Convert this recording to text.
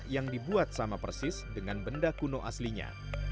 yang dibuat sama persis dengan benda kuno aslinya